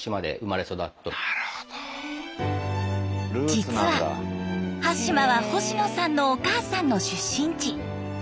実は端島は星野さんのお母さんの出身地。